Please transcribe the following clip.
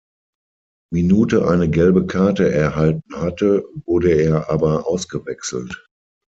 Minute eine Gelbe Karte erhalten hatte, wurde er aber ausgewechselt.